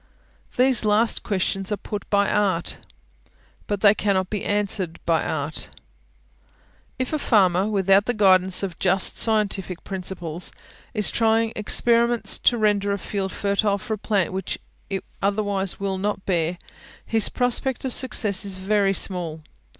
These last questions are put by Art, but they cannot be answered by Art. If a farmer, without the guidance of just scientific principles, is trying experiments to render a field fertile for a plant which it otherwise will not bear, his prospect of success is very small.